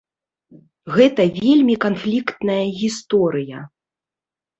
Гэта вельмі канфліктная гісторыя.